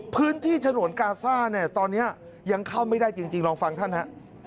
ฉนวนกาซ่าเนี่ยตอนนี้ยังเข้าไม่ได้จริงลองฟังท่านฮะ